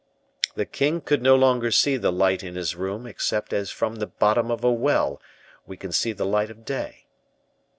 The king could no longer see the light in his room, except as from the bottom of a well we can see the light of day.